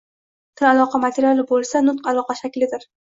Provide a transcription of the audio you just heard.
Til aloqa materiali bo`lsa, nutq aloqa shaklidir